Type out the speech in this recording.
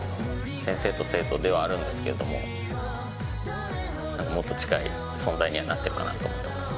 先生と生徒ではあるんですけど、もっと近い存在にはなってるかなと思います。